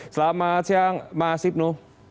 selamat siang mas ibnu